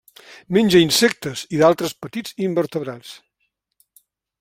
Menja insectes i d'altres petits invertebrats.